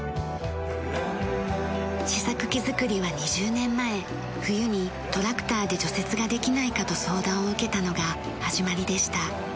試作機作りは２０年前冬にトラクターで除雪ができないかと相談を受けたのが始まりでした。